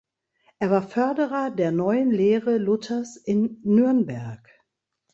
Er war Förderer der neuen Lehre Luthers in Nürnberg.